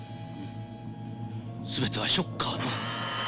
全てはショッカーの。